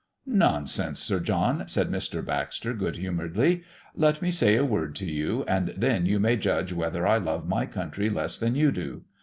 "Nonsense, Sir John," said Mr. Baxter good humouredly. "Let me say a word to you, and then you may judge whether I love my country less than you do.